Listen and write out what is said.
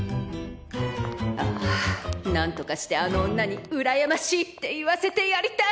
ああなんとかしてあの女に「うらやましい！」って言わせてやりたい。